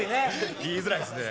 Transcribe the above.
言いづらいですね。